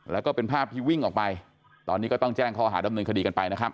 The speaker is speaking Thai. แล้วก็เป็นภาพที่วิ่งออกไปตอนนี้ก็ต้องแจ้งข้อหาดำเนินคดีกันไปนะครับ